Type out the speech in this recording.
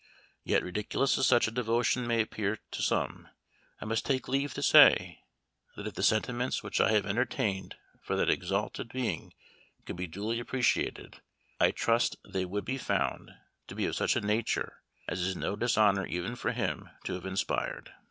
Yet, ridiculous as such devotion may appear to some, I must take leave to say, that if the sentiments which I have entertained for that exalted being could be duly appreciated, I trust they would be found to be of such a nature as is no dishonor even for him to have inspired."...